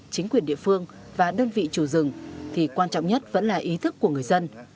chính quyền địa phương và đơn vị chủ rừng thì quan trọng nhất vẫn là ý thức của người dân